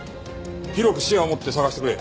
広く視野を持って捜してくれ。